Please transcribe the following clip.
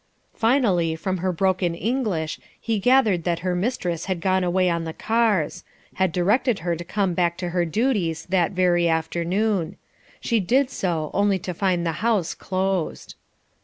Finally from her broken English he gathered that her mistress had gone away on the cars; had directed her to come back to her duties that very afternoon. She did so, only to find the house closed.